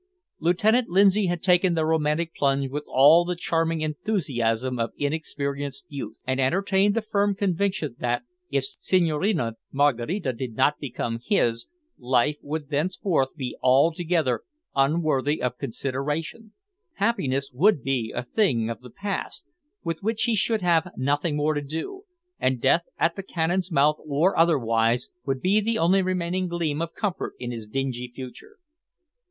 Lieutenant Lindsay had taken the romantic plunge with all the charming enthusiasm of inexperienced youth, and entertained the firm conviction that, if Senhorina Maraquita did not become "his," life would thenceforth be altogether unworthy of consideration; happiness would be a thing of the past, with which he should have nothing more to do, and death at the cannon's mouth, or otherwise, would be the only remaining gleam of comfort in his dingy future.